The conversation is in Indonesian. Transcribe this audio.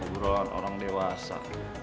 huburan orang dewasa